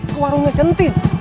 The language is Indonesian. ke warungnya centin